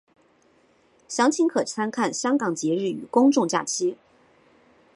详情可参看香港节日与公众假期。